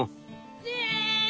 せの。